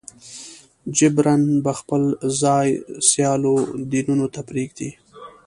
جبراً به خپل ځای سیالو دینونو ته پرېږدي.